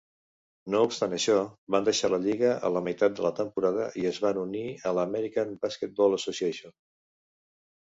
No obstant això, van deixar la lliga a la meitat de la temporada i es van unir a l'American Basketball Association.